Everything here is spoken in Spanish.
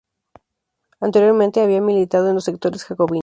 Anteriormente, había militado en los sectores jacobinos.